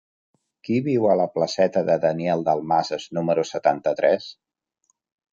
Qui viu a la placeta de Daniel Dalmases número setanta-tres?